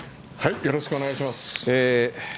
よろしくお願いします。